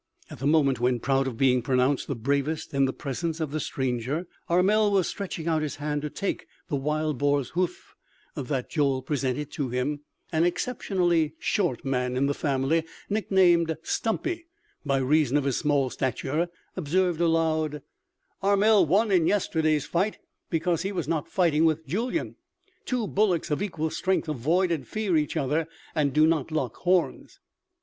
At the moment when, proud of being pronounced the bravest in the presence of the stranger, Armel was stretching out his hand to take the wild boar's hoof that Joel presented to him, an exceptionally short man in the family, nicknamed "Stumpy" by reason of his small stature, observed aloud: "Armel won in yesterday's fight because he was not fighting with Julyan. Two bullocks of equal strength avoid and fear each other, and do not lock horns."